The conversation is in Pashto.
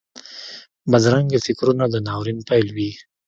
بدرنګه فکرونه د ناورین پیل وي